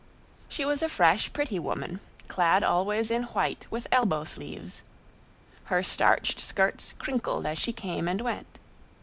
She was a fresh, pretty woman, clad always in white with elbow sleeves. Her starched skirts crinkled as she came and went.